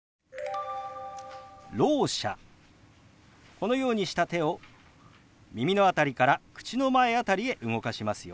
このようにした手を耳の辺りから口の前辺りへ動かしますよ。